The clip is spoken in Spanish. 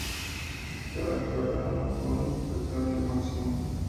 Estaba emparentado con Petronio Máximo.